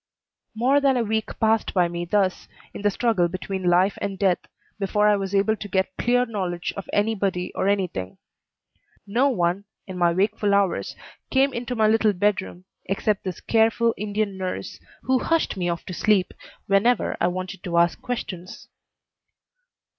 More than a week passed by me thus, in the struggle between life and death, before I was able to get clear knowledge of any body or any thing. No one, in my wakeful hours, came into my little bedroom except this careful Indian nurse, who hushed me off to sleep whenever I wanted to ask questions.